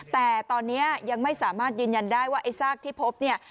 แต่ตอนนี้ยังไม่สามารถยืนยันได้ว่าไอ้ซากที่พบเนี่ย